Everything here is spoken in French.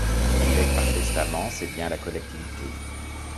Il lègue par testament ses biens à la collectivité.